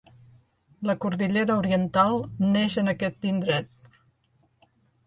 La Cordillera Oriental neix en aquest indret.